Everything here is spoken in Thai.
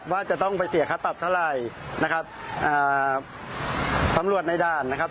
ว่าจะต้องไปเสียค่าปรับเท่าไหร่นะครับอ่าตำรวจในด่านนะครับ